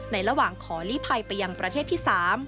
ระหว่างขอลีภัยไปยังประเทศที่๓